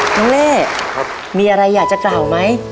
เล่มีอะไรอยากจะกล่าวไหม